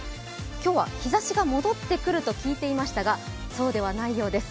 今日は日ざしが戻ってくると聞いていましたがそうではないようです。